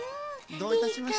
どういたしまして。